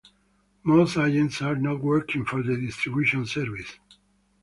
Most agents are not working for the distribution service.